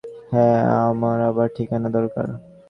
হ্যাঁ, আমার আবার ঠিকানা দরকার।